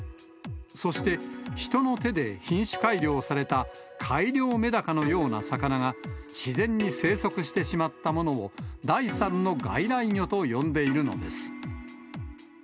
そして、人の手で品種改良された改良メダカのような魚が自然に生息してしまったものを、第３の外来魚と呼んでいるのです。